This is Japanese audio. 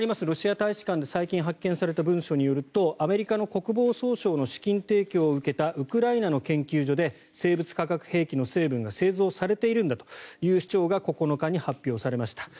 ロシア大使館で最近発見された文書によりますとアメリカの国防総省の資金提供を受けたウクライナの研究所で生物・化学兵器の成分が製造されているんだという主張が９日に発表されました。